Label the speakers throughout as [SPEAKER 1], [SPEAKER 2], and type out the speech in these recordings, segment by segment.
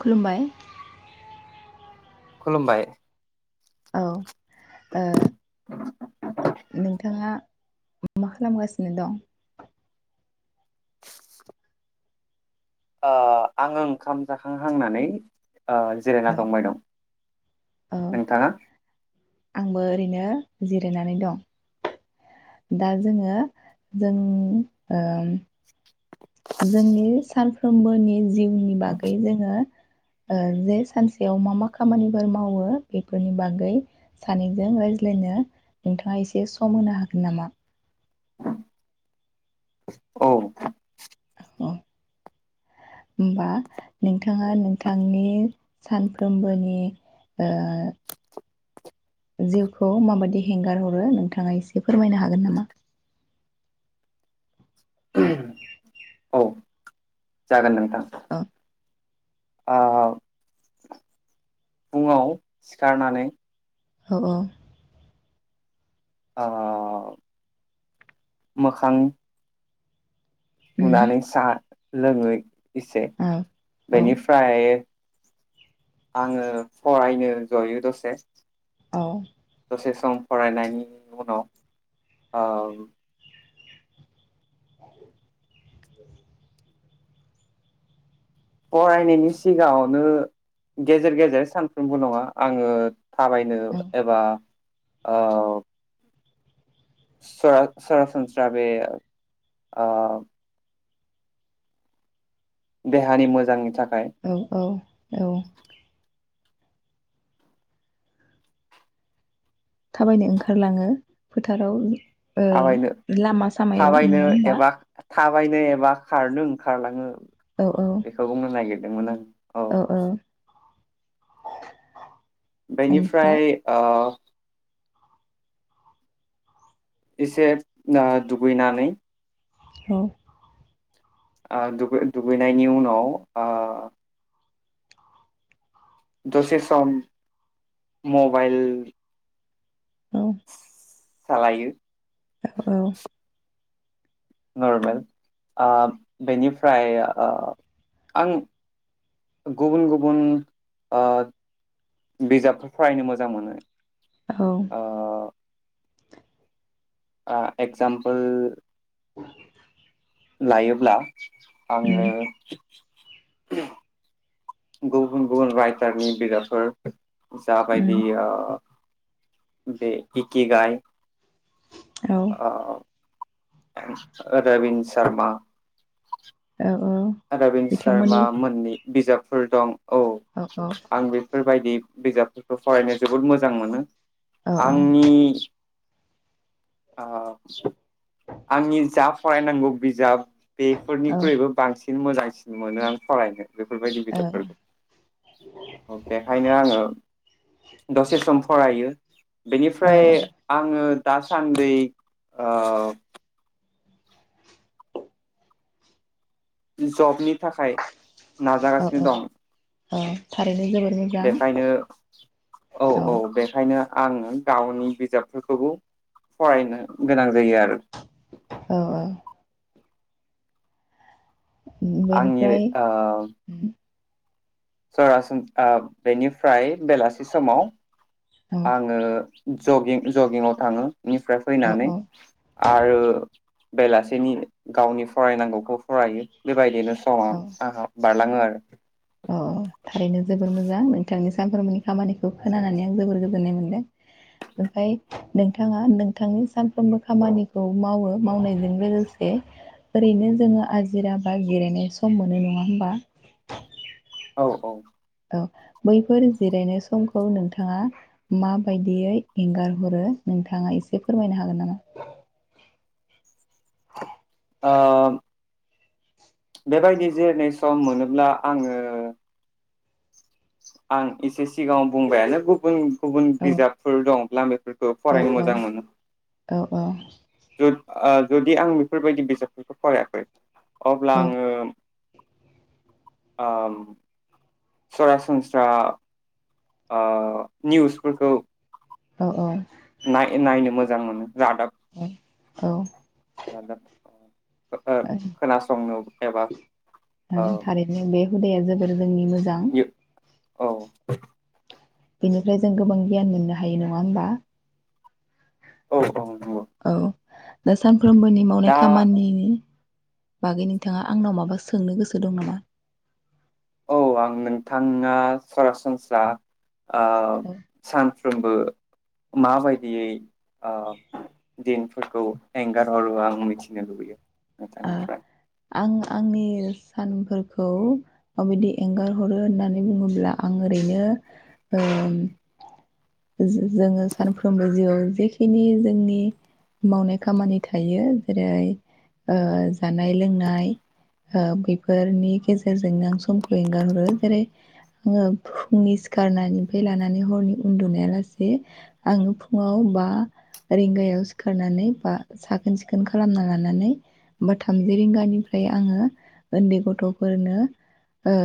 [SPEAKER 1] खुलुमबाय
[SPEAKER 2] खुलुमबाय
[SPEAKER 1] औ ओ नोंथाङा मा खालामगासिनो दं?
[SPEAKER 2] ओ आङो ओंखाम जाखांहांनानै ओ
[SPEAKER 1] औ
[SPEAKER 2] जिरायना दंबाय दं
[SPEAKER 1] औ
[SPEAKER 2] नोंथाङा?
[SPEAKER 1] आंबो ओरैनो जिरायनानै दं दा जोङो जों ओ जोंनि सानफ्रोमबोनि जिउनि बागै जोङो ओ जे सानसेयाव मा मा खामानिफोर मावो बेफोरनि बागै सानैजों रायज्लायनो नोंथाङा एसे सम होनो हागोन नामा
[SPEAKER 2] औ
[SPEAKER 1] औ होमबा नोंथाङा नोंथांनि सानफ्रोमबोनि ओ जिउखौ माबायदि हेंगार हरो नोंथाङा एसे फोरमायनो हागोन नामा?
[SPEAKER 2] [unintelligible] औ जागोन नोंथां
[SPEAKER 1] ओ
[SPEAKER 2] ओ फुङाव सिखारनानै
[SPEAKER 1] औ औ
[SPEAKER 2] औ मोखां
[SPEAKER 1] उम
[SPEAKER 2] सुनानै साहा लोङै इसे
[SPEAKER 1] औ औ
[SPEAKER 2] बेनिफ्राय आंङो फरायनो जयो दसे ।
[SPEAKER 1] औ
[SPEAKER 2] दसे सम फरायनायनि उनाव ओम
[SPEAKER 1] [inaudible]
[SPEAKER 2] फरायनायनि सिगाङावनो गेजेर गेजेर सानफ्रोमबो नङा आंङो थाबायनो
[SPEAKER 1] औ
[SPEAKER 2] एबा औ सरा-सरासनस्रा बे ओ देहानि मोजांनि थाखा
[SPEAKER 1] औ औ औ थाबायनो ओंखारलाङो फोथाराव ओम
[SPEAKER 2] थाबायनो
[SPEAKER 1] लामा सामायाव
[SPEAKER 2] थाबायनो
[SPEAKER 1] नङा होमबा?
[SPEAKER 2] एबा थाबायनो एबा खारनो ओंखारलाङो
[SPEAKER 1] औ औ
[SPEAKER 2] बेखौ बुंनो नागिरदोंमोन आं औ । बेनिफ्राय ओ एसे ओ दुगैनानै
[SPEAKER 1] औ
[SPEAKER 2] ओ दुगै-दुगैनायनि उनाव ओ दसे सम मबाइल
[SPEAKER 1] औ
[SPEAKER 2] सालायो
[SPEAKER 1] औ औ
[SPEAKER 2] नरमेल, ओ बेनिफ्राय ओ आं गुबुन गुबुन ओ बिजाबफोर फरायनो मोजां मोनो ।
[SPEAKER 1] औ
[SPEAKER 2] ओ एक्जामपोल
[SPEAKER 1] [inaudible]
[SPEAKER 2] लायोब्ला आंङो
[SPEAKER 1] उम
[SPEAKER 2] गुबुन गुबुन रायटारनि बिजाबफोर
[SPEAKER 1] उम
[SPEAKER 2] जाबायदि ओ बे हिकि गाय
[SPEAKER 1] औ
[SPEAKER 2] ओ [unintelligible] सारमा
[SPEAKER 1] औ औ
[SPEAKER 2] रबिन शर्मा
[SPEAKER 1] बिथांमोननि
[SPEAKER 2] मोननि बिजाबफोर दं । औ आं बेफोरबायदि बिजाबफोरखौ फरायनो जोबोद मोजां मोनो ।
[SPEAKER 1] औ
[SPEAKER 2] आंनि आंनि जा फरायनांगौ बिजाब
[SPEAKER 1] औ
[SPEAKER 2] बेफोरनिख्रुइबो बांसिन मोजांसिन मोनो आं फरायनो बेफोरबायदि बिजाबफोरखौ बेखायनो आङो दसे सम फरायो बेनिफ्राय
[SPEAKER 1] औ
[SPEAKER 2] आङो दासान्दै ओ जबनि थाखाय
[SPEAKER 1] औ
[SPEAKER 2] नाजागासिनो
[SPEAKER 1] औ
[SPEAKER 2] दं।
[SPEAKER 1] औ थारै
[SPEAKER 2] बेखायनो औ औ बेखायनो आं गावनि बिजाबफोरखौबो फरायनो गोनां जायो आरो
[SPEAKER 1] औ औ
[SPEAKER 2] आंनि
[SPEAKER 1] बेनिफ्राय
[SPEAKER 2] ओ
[SPEAKER 1] उम
[SPEAKER 2] सरासनस्रा बेनिफ्राय बेलासि समाव
[SPEAKER 1] औ
[SPEAKER 2] आङो जगिं जगिङाव थाङो बिनिफ्राय
[SPEAKER 1] औ
[SPEAKER 2] फैनानै
[SPEAKER 1] औ
[SPEAKER 2] आरो बेलासेनि गावनि फरायनांगौखौ फरायो बेबायदिनो
[SPEAKER 1] औ
[SPEAKER 2] [unintelligible] बारलाङो आरो
[SPEAKER 1] अ थारैनो जोबोर मोजां नोंथांनि सानफ्रोमबोनि खामानिखौ खोनानानै आं जोबोर गोजोननाय मोनदों ओमफ्राय नोंथाङा नोंथांनि सानफ्रोमबो खामानिखौ मावो मावनायजों लोगोसे ओरैनो जोङो आजिरा बा जिरायनाय सम मोनो नङा होमबा?
[SPEAKER 2] औ औ
[SPEAKER 1] बैफोर जिरायनाय समखौ नोंथाङा माबायदियै एंगार हरो नोंथाङा एसे फोरमायनो हागोन नामा?
[SPEAKER 2] ओ बेबायदि जिरनाय सम मोनोब्ला आङो आं एसे सिगाङाव बुंबायानो गुबुन गुबुन
[SPEAKER 1] औ
[SPEAKER 2] बिजाबफोर दंब्ला बेफोरखौ
[SPEAKER 1] औ
[SPEAKER 2] फरायनो मोजां मोनो
[SPEAKER 1] औ औ
[SPEAKER 2] जुदि आं बेफोरबायदि बिजाबफोरखौ फरायाखै अब्ला
[SPEAKER 1] औ
[SPEAKER 2] आङो ओ सरासनस्रा ओ निउसफोरखौ
[SPEAKER 1] औ औ
[SPEAKER 2] नाय नायनो मोजां मोनो। जादाब गादाब। खोनासंनो एबा ओ
[SPEAKER 1] थारैनो बे हुदाया जोबोर जोंनि मोजां।
[SPEAKER 2] औ।
[SPEAKER 1] बेनिफ्राय जों गोबां गियान मोननो हायो नङा होमबा।
[SPEAKER 2] औ औ औ नंगौ।
[SPEAKER 1] [unintelligible] सानफ्रोमबोनि मावनाय
[SPEAKER 2] दा
[SPEAKER 1] खामानि बागै नोंथाङा आंनाव माबा सोंनो गोसो दं नामा?
[SPEAKER 2] औ आं नोंथाङा सरासनस्रा ओ सान
[SPEAKER 1] ओ
[SPEAKER 2] सानफ्रोमबो माबायदियै ओ दिनफोरखौ एंगार हरो आं मिथिनो लुबैयो। नोंथांनिफ्राय ।
[SPEAKER 1] आं आंनि सानफोरखौ माबायदि एंगारहरो होननानै बुङोब्ला आं ओरैनो ओ जो-जोङो सानफ्रोमबो जिउआव जेखिनि जोंनि मावनाय खामानि थायो जेरै। जानाय लोंनाय ओ बेैफोरनि गेजेरजोंनो आं समखौ एंगारहरो जेरै आङो फुंनि सिखारनाय निफ्राय लानानै हरनि उन्दुनाया लासे आङो फुङाव बा रिंगायाव सिखारनानै बा साखोन सिखोन खालामना लानानै बा थामजि रिंगानिफ्राय आङो उन्दै गथफोरनो ओ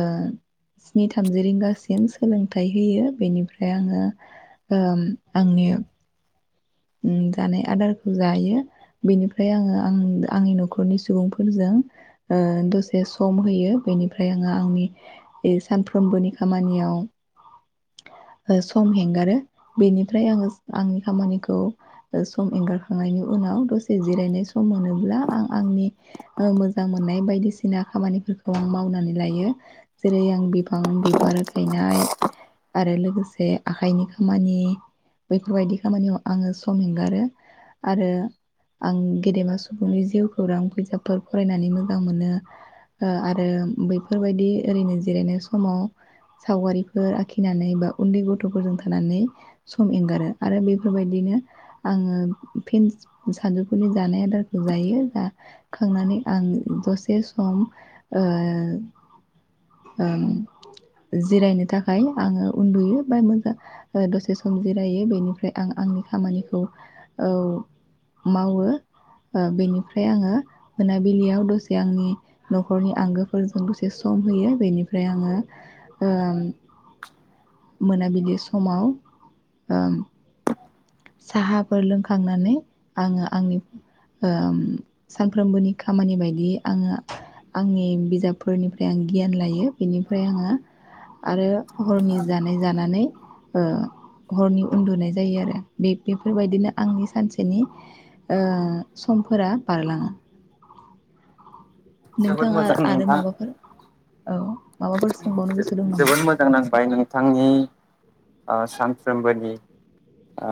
[SPEAKER 1] स्नि थामजि रिंगासिम सोलोंथाइ होयो बेनिफ्राय आङो आंनि उम जानाय आदारखौ जायो बेनिफ्राय आङो आं आंनि नखरनि सुबुंफोरजों ओ दसे सम होयो बेनिफ्राय आङो आंनि सानफ्रोमबोनि खामानियाव सम हेगारो बेनिफ्राय आङो आंनि खामानिखौ खौ सम एंगारखांनायनि उनाव दसे जिरायनाय सम मोनोब्ला आं आंनि मोजां मोननाय बायदिसिना खामानिफोरखौ आं मावनानै लायो जेरै आं बिफां बिबार गायनाय आरो लोगोसे आखाइनि खामानि बेफोर बायदि खामानियाव आङो सम एंगारो आरो आं गेदेमा सुबुंनि जिउखौरां बिजाबफोर फरायनानै मोजां मोनो ओ आरो बैफोर बायदि ओरैनो जिरायनाय समाव सावगारिफोर आखिनानै बा उन्दै गथफोरजों थानानै सम एंगारो आरो बेफोर फोर बायदिनो आङो फिन सानजौफुंनि जानाय आदारखौ जायो जाखांनानै आं दसे सम ओ ओम जिरायनो थाखाय आङो उन्दुयो बा मोजां दसे सम जिरायो बेनिफ्राय आं आंनि खामानिखौ औ मावो बेनिफ्राय आङो मोनाबिलियाव दसे आंनि नखरनि आंगोफोरजों दसे सम होयो बेनिफ्राय आङो ओम मोनाबिलि समाव ओम साहाफोर लोंखांनानै आङो आंनि ओम सानफ्रोमबोनि खामानि बायदियै आङो आंनि बिजाबफोर निफ्राय आं गियान लायो बिनिफ्राय आङो आरो हरनि जानाय जानानै ओ हरनि उन्दुनाय जायो आरो। बे बेफोर बायदिनो आंनि सानसेनि ओ समफोरा बारलाङो।
[SPEAKER 2] जोबोद
[SPEAKER 1] नोंथाङा
[SPEAKER 2] मोजां
[SPEAKER 1] आरो
[SPEAKER 2] नोंथां
[SPEAKER 1] माबाफोर औ माबाफोर सों
[SPEAKER 2] जोबोद मोजां नांबाय नोंथांनि - आ सानफ्रोमबोनि ओ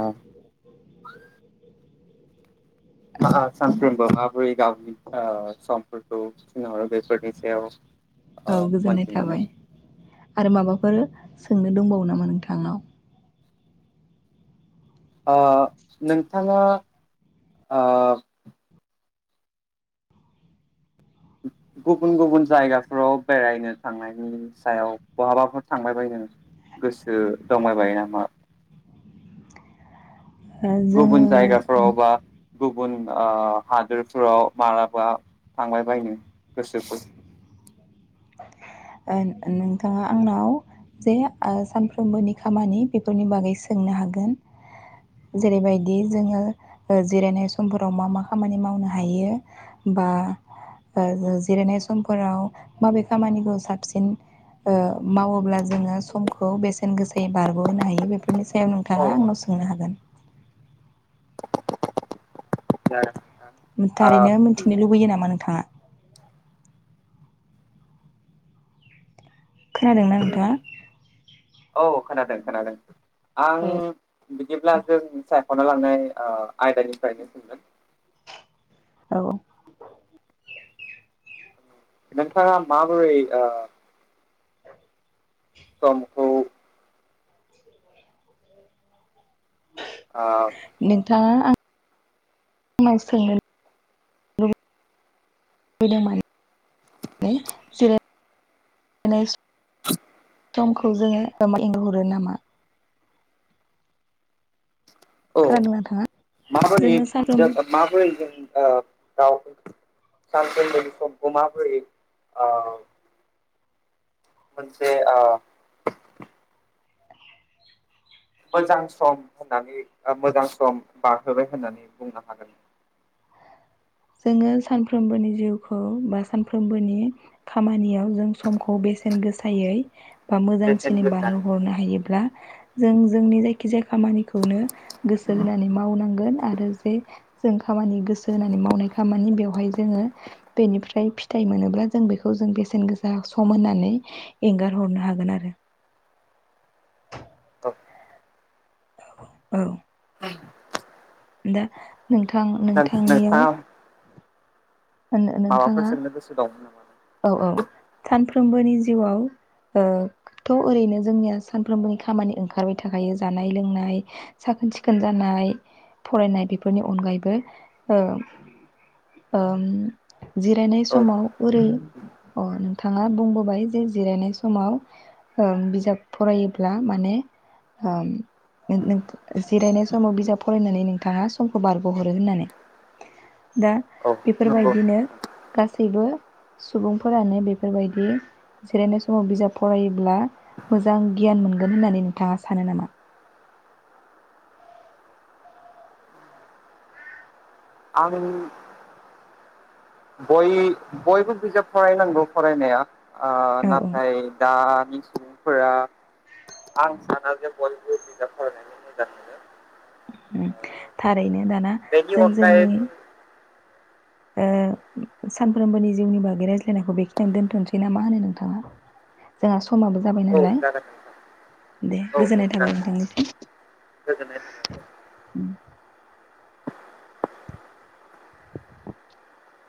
[SPEAKER 1] औ
[SPEAKER 2] [unintelligible] सानफ्रोमबो माबोरै गावनि ओ समफोर [unintelligible] बेफोरनि सायाव
[SPEAKER 1] औ
[SPEAKER 2] ओ
[SPEAKER 1] गोजोननाय
[SPEAKER 2] मोनथिनानै
[SPEAKER 1] थाबाय आरो माबाफोर सोंनो दंबावो नामा नोंथांनाव?
[SPEAKER 2] ओ नोंथाङा गुबुन गुबुन जायगाफोराव बेरायनो थांनायनि सायाव बहाबाफोर थांबाय बायनो गोसो दंबाय बायो नामा?
[SPEAKER 1] ओ जोङो
[SPEAKER 2] गुबुन जायगाफ्राव बा गुबुन ओ हादोरफोराव मालाबा थांबाय बायनो गोसोखौ
[SPEAKER 1] ओ नोंथाङा आंनाव जे ओ सानफ्रोमबोनि खामानि बेफोरनि बागै सोंनो हागोन जेरैबायदि जोङो ओ जिरायनाय समफोराव मा मा खामानि मावनो हायो बा ओ जिरायनाय समफोराव माबे खामानिखौ साबसिन ओ मावोब्ला जोङो समखौ बेसेन गोसायै बारग'होनो हायो बेफोरनि सायाव
[SPEAKER 2] औ
[SPEAKER 1] नोंथाङा आंनाव सोंनो हागोन ।
[SPEAKER 2] जागोन नोंथां
[SPEAKER 1] थारैनो मोनथिनो लुबैयो नामा नोंथाङा? खोनादोंना नोंथाङा?
[SPEAKER 2] औ खोनादों खोनादों ।
[SPEAKER 1] औ
[SPEAKER 2] आं बिदिब्ला जों सायख'ना लांनाय ओ आयदानिफ्रायनो सोंगोन ।
[SPEAKER 1] औ
[SPEAKER 2] नोंथाङा माबोरै ओ समखौ ओ
[SPEAKER 1] नोंथाङा आं [unintelligible] समखौ जोङो एंगार हरो नामा ।
[SPEAKER 2] औ
[SPEAKER 1] खोनादों नोंथाङा?
[SPEAKER 2] माबोरै
[SPEAKER 1] जोङो साफ्रोम
[SPEAKER 2] जो माबोरै जों ओ औ सानफ्रोमबोनि समखौ माबोरै ओ मोनसे ओ मोजां सम होननानै ओ मोजां सम बारहोबाय होननानै बुंनो हागोन ।
[SPEAKER 1] जोङो सानफ्रोमबोनि जिउखौ बा सानफ्रोमबोनि खामानियाव जों समखौ बेसेन गोसायै बा
[SPEAKER 2] बेसेन
[SPEAKER 1] मोजांसिननै
[SPEAKER 2] गोसा
[SPEAKER 1] बारहोहरनो हायोब्ला जों जोंनि जायखि जाया खामानिखौनो गोसो होनानै मावनांगोन आरो जे जों खामानि गोसो होनानै मावनाय खामानि बेवहाय जोङो बेनिफ्राय फिथाइ मोनोब्ला जों बेखौ जों बेसेन गोसा सम होननानै एंगार हरनो हागोन आरो
[SPEAKER 2] औ
[SPEAKER 1] औ दा नोंथां नोंथांनियाव
[SPEAKER 2] नोंथाङा
[SPEAKER 1] नों
[SPEAKER 2] माबाफोर
[SPEAKER 1] नोंथाङा
[SPEAKER 2] सोंनो गोसो दंमोन नामा?
[SPEAKER 1] औ औ सानफ्रो सानफ्रोमबोनि जिउआव ओ थ' ओरैनो जोंनिया सानफ्रोमबोनि खामानि ओंखारबाय थाखायो जानाय लोंनाय साखोन सिखोन जानाय फरायनाय बेफोरनि अनगायैबो ओ ओ जिरायनाय
[SPEAKER 2] औ
[SPEAKER 1] समाव ओरै अ नोंथाङा बुंबोबाय जे जिरायनाय समाव ओ बिजाब फरायोब्ला माने ओ जिरायनाय समाव बिजाब फरायनानै नोंथाङा समखौ बारगहरो होननानै दा
[SPEAKER 2] औ नंगौ
[SPEAKER 1] बेफोरबायदिनो गासैबो सुबुंफोरानो बेफोरबायदि जिरायनाय समाव बिजाब फरायोब्ला मोजां गियान मोनगोन होननानै नोंथाङा सानो नामा?
[SPEAKER 2] आं बय बयबो बिजाब फरायनांगौ फरायनाया ओ
[SPEAKER 1] औ
[SPEAKER 2] नाथाय दानि सुबुं फोरा आं साना जे बयबो बिजाब फरायनायनि मोजां मोनो
[SPEAKER 1] थारैनो दाना
[SPEAKER 2] बेनि
[SPEAKER 1] जों जोंनि
[SPEAKER 2] अनगायैबो
[SPEAKER 1] ओ सानफ्रोमबोनि जिउनि बागै रायज्लायनायखौ बेखिनियाव दोन्थ'नोसै ना मा होनो नोंथाङा जोंहा समाबो जाबाय
[SPEAKER 2] औ
[SPEAKER 1] नालाय
[SPEAKER 2] जागोन नोंथां
[SPEAKER 1] । दे
[SPEAKER 2] औ औ
[SPEAKER 1] गोजोननाय थाबाय
[SPEAKER 2] जागोन
[SPEAKER 1] नोंथांनिसिम।
[SPEAKER 2] गोजोननाय थाबाय।
[SPEAKER 1] उम।